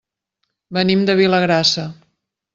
Venim de Vilagrassa.